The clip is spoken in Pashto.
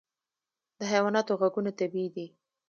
د حیواناتو غږونه طبیعي دي.